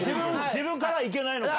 自分からいけないのか。